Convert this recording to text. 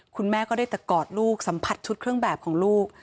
คุณแม่ก็ได้แต่กอดลูกสัมผัสชุดเครื่องแบบของลูก